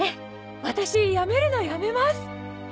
ワタシ辞めるのやめます！